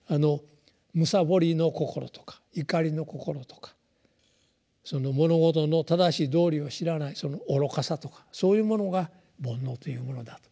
貪の心とか瞋の心とか物事の正しい道理を知らないその癡とかそういうものが「煩悩」というものだと。